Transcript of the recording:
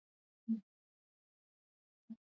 په افغانستان کې د سیندونه تاریخ اوږد دی.